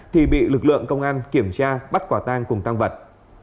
thì bị lực lượng công an kiểm tra bắt quả tang cùng tăng vật